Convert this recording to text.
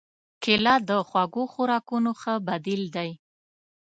کېله د خوږو خوراکونو ښه بدیل دی.